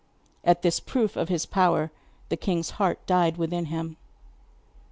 At this proof of his power the king's heart died within him.